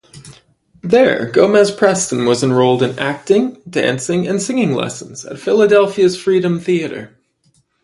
There Gomez-Preston was enrolled in acting, dancing, and singing lessons at Philadelphia's Freedom Theatre.